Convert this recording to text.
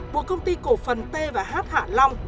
buộc công ty cổ phần t và hà nội